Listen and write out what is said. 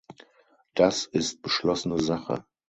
Das ist beschlossene Sache.